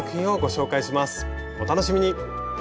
お楽しみに！